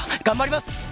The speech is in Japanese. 頑張ります！